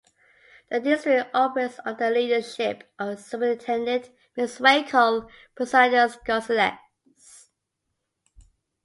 The district operates under the leadership of superintendent Mrs. Raquel Posadas-Gonzalez.